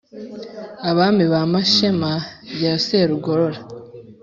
abami ba mashema ya serugorora,